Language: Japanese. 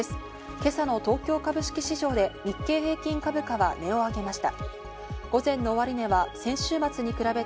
今朝の東京株式市場で日経平均株価は値を上げました。